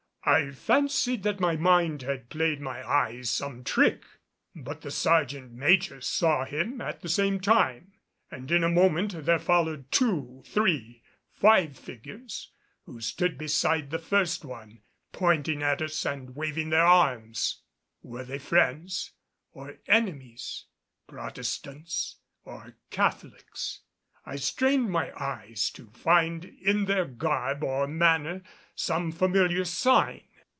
I fancied that my mind had played my eyes some trick. But the sergeant major saw him at the same time; and in a moment there followed two, three, five figures who stood besides the first one pointing at us and waving their arms. Were they friends or enemies Protestants or Catholics? I strained my eyes to find in their garb or manner some familiar sign.